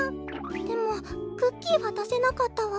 でもクッキーはだせなかったわ。